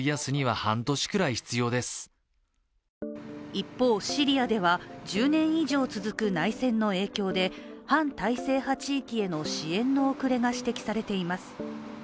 一方シリアでは、１０年以上続く内戦の影響で反体制派地域への支援の遅れが指摘されています。